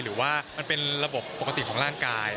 หรือว่ามันเป็นระบบปกติของร่างกาย